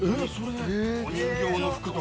・お人形の服とか？